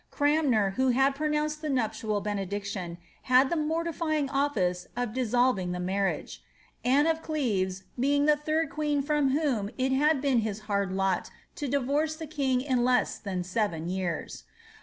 Cranmer, who had pronounced the nuptial benedictioo, had the mortifying office of dissolving the marriage : Anne of Cleves being the third queen from whom it had been his hard lot to divorce the king in less than seven years.